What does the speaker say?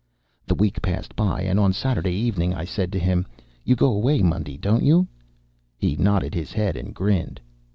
The week passed by, and on Saturday evening I said to him, "You go away Monday, don't you?" He nodded his head and grinned.